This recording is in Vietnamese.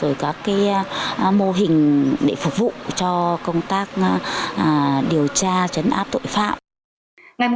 rồi có cái mô hình để phục vụ cho công tác điều tra chấn áp tội phạm